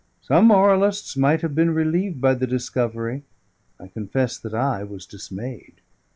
Some moralists might have been relieved by the discovery; I confess that I was dismayed.